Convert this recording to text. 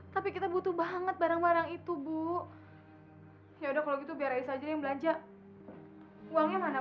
tapi kita butuh banget barang barang itu bu ya udah kalau gitu biar aja yang belanja uangnya mana